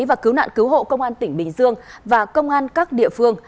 và cứu nạn cứu hộ công an tỉnh bình dương và công an các địa phương